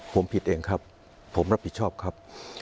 ผมผิดเองครับผมรับผิดชอบครับ